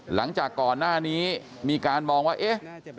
หลังจากก่อนหน้านี้มีการมองว่าเอ๊ะ